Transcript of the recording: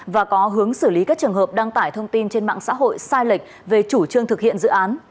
và có hướng xử lý các trường hợp đăng tải thông tin trên mạng xã hội sai lệch về chủ trương thực hiện dự án